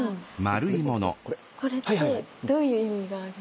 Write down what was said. これってどういう意味があるんですか？